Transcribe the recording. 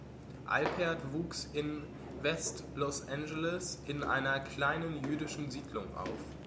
Alpert wuchs in West Los Angeles in einer kleinen jüdischen Siedlung auf.